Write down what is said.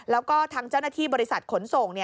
แล้วก็ทางเจ้าหน้าที่บริษัทขนส่ง